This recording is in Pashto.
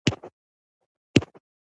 د جګړې د دوام اصلي سرچينه فساد دی.